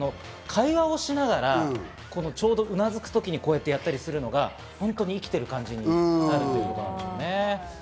会話をしながら、ちょうどうなずく時にこうやってやったりするのが本当に生きてる感じになるということなんでしょうね。